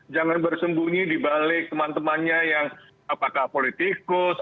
jangan bersembunyi dibalik teman temannya yang apakah politikus